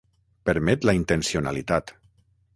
Permet la intencionalitat.